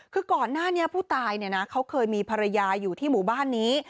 คือก่อนหน้านี้ผู้ตายเนี่ยนะเขาเคยมีภรรยาอยู่ที่หมู่บ้านนี้